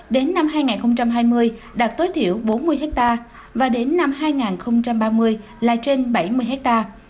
đến năm hai nghìn hai mươi đạt tối thiểu bốn mươi hectare và đến năm hai nghìn ba mươi là trên bảy mươi hectare